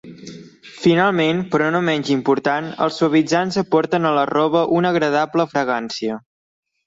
Finalment, però no menys important, els suavitzants aporten a la roba una agradable fragància.